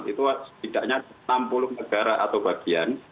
itu setidaknya enam puluh negara atau bagian